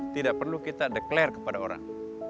tidak perlu kita declare kepada orang